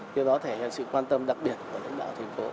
điều đó thể hiện sự quan tâm đặc biệt của lãnh đạo thành phố